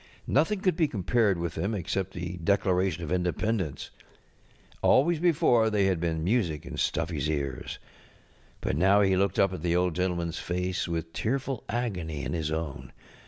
Nothing could be compared with them except the Declaration of Independence, Always before they had been music in StuffyŌĆÖs ears. But now he looked up at the Old GentlemanŌĆÖs face with tearful agony in his own.